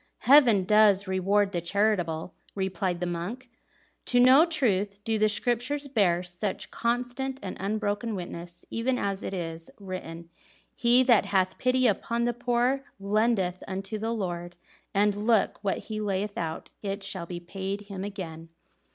"Heaven does reward the charitable!" replied the monk. "To no truth do the Scriptures bear such constant and unbroken witness; even as it is written: 'He that hath pity upon the poor lendeth unto the Lord; and look, what he layeth out it shall be paid him again.'"